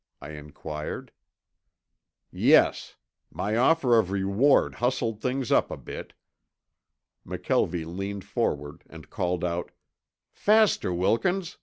I inquired. "Yes. My offer of reward hustled things up a bit." McKelvie leaned forward and called out, "Faster, Wilkins.